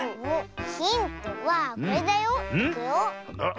ヒントはこれだよ。いくよ。